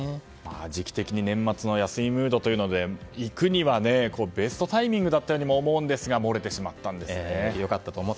時期的に年末の休みムードというので行くにはベストタイミングであったように思えるんですが漏れてしまったんですね。